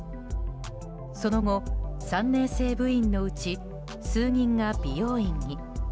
その後、３年生部員のうち数人が美容院に。